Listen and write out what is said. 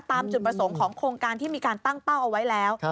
ตามจุดประสงค์ของโครงการที่มีการตั้งเป้าเอาไว้แล้ว